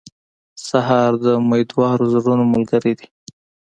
سهار د امیدوارو زړونو ملګری دی.